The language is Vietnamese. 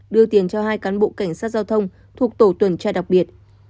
đưa tiền cho hai cán bộ cảnh sát giao thông thuộc tổ tuần tra đặc biệt